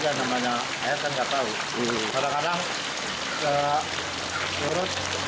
kadang kadang turut atau banjir lagi